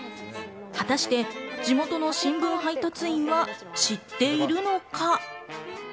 果たして地元の新聞配達員は知っているのか？